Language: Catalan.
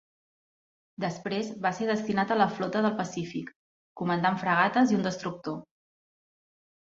Després va ser destinat a la Flota del Pacífic, comandant fragates i un destructor.